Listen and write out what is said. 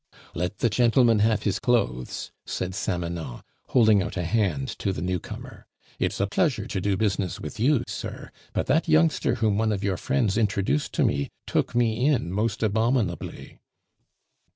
"Let the gentleman have his clothes," said Samanon, holding out a hand to the newcomer. "It's a pleasure to do business with you, sir; but that youngster whom one of your friends introduced to me took me in most abominably."